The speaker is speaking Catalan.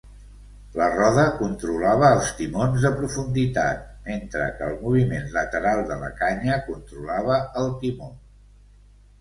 La roda controlava els timons de profunditat, mentre que el moviment lateral de la canya controlava el timó.